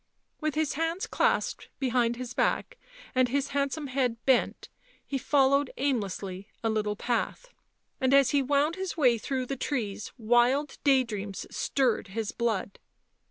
With his hands clasped behind his back, and his handsome head bent, he followed aimlessly a little path, and as he wound his way through the trees wild day dreams stirred his blood.